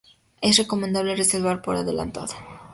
Es recomendable reservar por adelantado.